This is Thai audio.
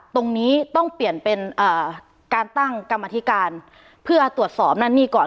ตรงนี้ต้องเปลี่ยนเป็นการตั้งกรรมธิการเพื่อตรวจสอบนั่นนี่ก่อน